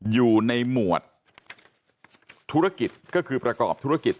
อยู่ในหมวดธุรกิจก็คือประกอบธุรกิจ